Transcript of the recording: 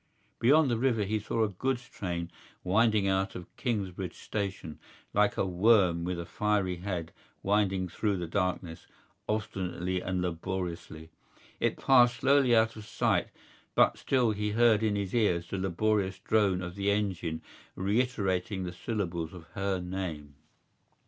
Beyond the river he saw a goods train winding out of Kingsbridge Station, like a worm with a fiery head winding through the darkness, obstinately and laboriously. It passed slowly out of sight; but still he heard in his ears the laborious drone of the engine reiterating the syllables of her name.